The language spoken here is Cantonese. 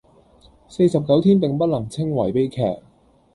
四十九天並不能稱為悲劇